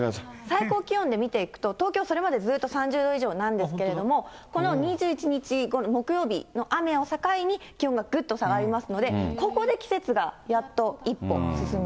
最高気温で見ていくと、東京それまでずっと３０度以上なんですけれども、この２１日木曜日の雨を境に、気温がぐっと下がりますので、ここで季節がやっと一歩進むと。